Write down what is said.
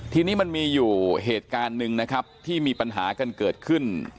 ทีนี้มันมีอยู่เหตุการณ์หนึ่งนะครับที่มีปัญหากันเกิดขึ้น